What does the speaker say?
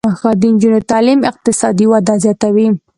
د نجونو تعلیم اقتصادي وده زیاتوي.